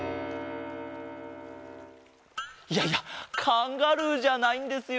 いやいやカンガルーじゃないんですよ